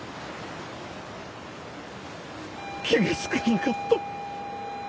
気がつかなかった。